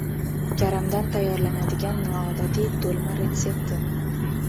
Karamdan tayyorlanadigan noodatiy do‘lma retsepti